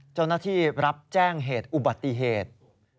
เจ้าหน้าที่รับแจ้งเหตุอุบัติเหตุ